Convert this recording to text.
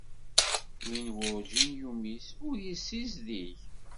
Win werǧin yumis ur yessizdig.